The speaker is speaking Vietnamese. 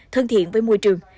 thân thiện với môi trường